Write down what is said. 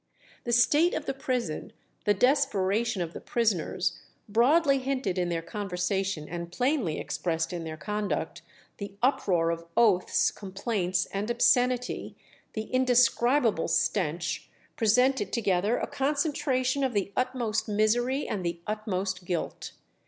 The state of the prison, the desperation of the prisoners, broadly hinted in their conversation and plainly expressed in their conduct, the uproar of oaths, complaints, and obscenity, "the indescribable stench," presented together a concentration of the utmost misery and the utmost guilt.